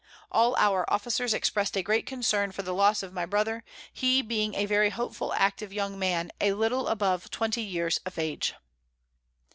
All our Officers express'd a great Concern for the Loss of my Brother, he being a very hopeful active young Man, a little above twenty Years of Age.